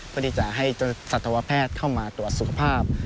เพื่อที่จะให้สัตวแพทย์เข้ามาตรวจสุขภาพ